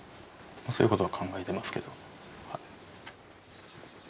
そういうことは考えてますけど。